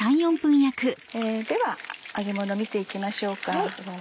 では揚げものを見て行きましょうか。